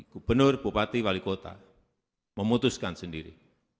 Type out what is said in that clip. gubernur bupati wali kota memutuskan sendiri